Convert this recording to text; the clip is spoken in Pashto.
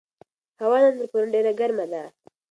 هوا نن تر پرون ډېره ګرمه ده.